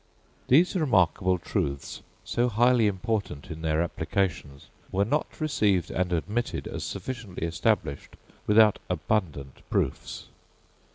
These remarkable truths, so highly important in their applications, were not received and admitted as sufficiently established, without abundant proofs.